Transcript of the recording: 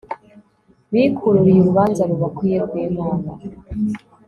bikururiye urubanza rubakwiye rw'imana